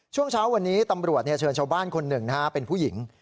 ช่วงเช้าวันนี้ตำรวจเชิญชาวบ้านคนหนึ่งเป็นผู้หญิง